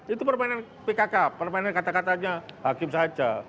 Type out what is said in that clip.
itu permainan pkk permainan kata katanya hakim saja